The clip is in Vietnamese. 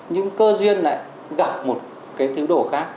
nhưng cơ duyên lại gặp một cái thứ đồ khác